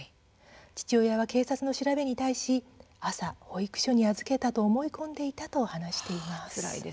父親は警察の調べに対し朝、保育所に預けたと思い込んでいたと話していました。